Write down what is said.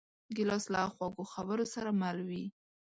ګیلاس له خوږو خبرو سره مل وي.